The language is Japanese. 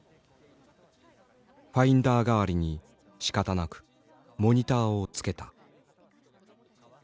ファインダー代わりにしかたなくモニターを付けた。